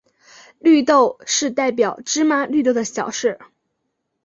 绿豆是代表芝麻绿豆的小事。